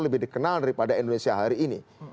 lebih dikenal daripada indonesia hari ini